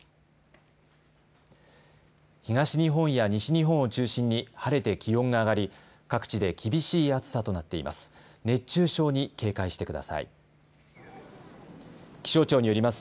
東日本や西日本を中心に晴れて気温が上がり各地で厳しい暑さとなっています。